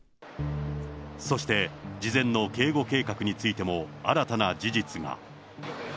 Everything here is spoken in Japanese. そして、事前の警護計画についても、新たな事実が。